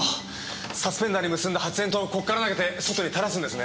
サスペンダーに結んだ発煙筒をここから投げて外に垂らすんですね？